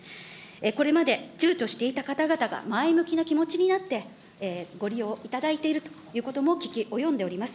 これまでちゅうちょしていた方々が前向きな気持ちになってご利用いただいているということも聞き及んでおります。